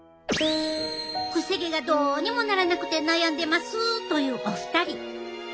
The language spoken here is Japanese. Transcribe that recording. くせ毛がどうにもならなくて悩んでますというお二人。